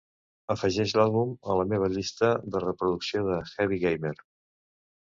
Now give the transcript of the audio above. Afegeix l'àlbum a la meva llista de reproducció de Heavy Gamer.